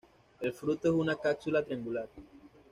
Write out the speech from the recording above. El fruto es una cápsula triangular.